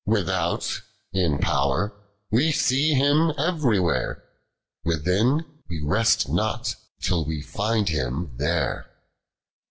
Without, in pow'r, we see Him everywhere ; "Within, we rest not, till we find Him there.